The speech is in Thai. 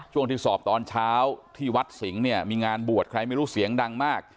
ช่วงที่สอบตอนเช้าที่วัดสิงห์เนี่ยมีงานบวชใครไม่รู้เสียงดังมาก